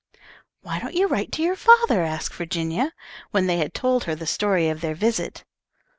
"Why don't you write to your father?" asked Virginia, when they had told her the story of their visit.